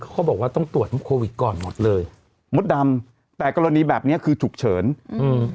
เขาบอกว่าต้องตรวจโควิดก่อนหมดเลยมดดำแต่กรณีแบบเนี้ยคือฉุกเฉินอืม